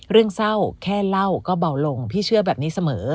เรื่องเศร้าแค่เล่าก็เบาลงพี่เชื่อแบบนี้เสมอ